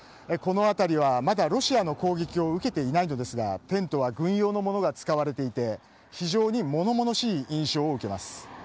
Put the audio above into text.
この辺りはまだロシアの攻撃を受けていないのですがテントは軍用のものが使われていて非常に物々しい印象を受けます。